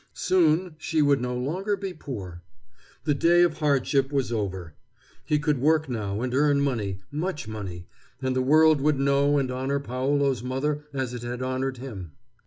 Soon she would no longer be poor. The day of hardship was over. He could work now and earn money, much money, and the world would know and honor Paolo's mother as it had honored him.